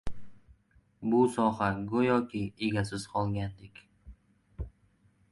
Bu soha go‘yoki egasiz qolgandek!